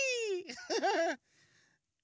フフフ。